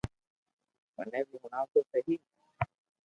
مني بي ھڻاو تو سھي